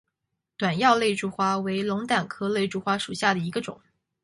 短药肋柱花为龙胆科肋柱花属下的一个种。